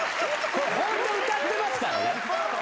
これホント歌ってますからね。